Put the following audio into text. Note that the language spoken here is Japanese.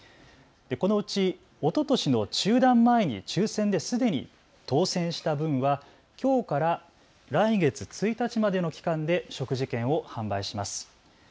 このうち、おととしの中断前に抽せんで、すでに当せんした分はきょうから来月１日までの期間で食事券を販売します。